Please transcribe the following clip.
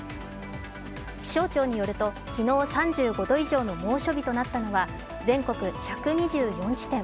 気象庁によると昨日３５度以上の猛暑日となったのは全国１２４地点。